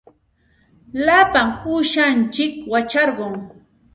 Lapa uushantsikmi wacharqun.